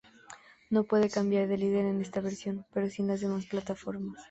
No puede cambiar de líder en esta versión, pero sí en las demás plataformas.